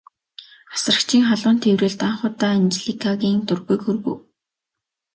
Асрагчийн халуун тэврэлт анх удаа Анжеликагийн дургүйг хүргэв.